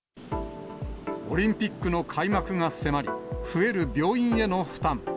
オリンピックの開幕が迫り、増える病院への負担。